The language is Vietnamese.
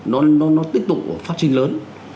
nó tiếp tục phát trình lớn